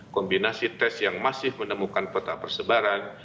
kombinasi tes yang masih menemukan peta persebaran